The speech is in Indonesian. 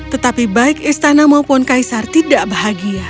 tetapi baik istana maupun kaisar tidak akan menangkapmu